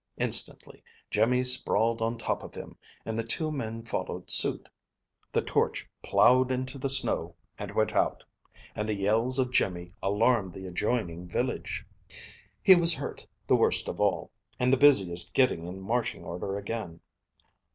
Instantly Jimmy sprawled on top of him, and the next two men followed suit. The torch plowed into the snow and went out, and the yells of Jimmy alarmed the adjoining village. He was hurt the worst of all, and the busiest getting in marching order again.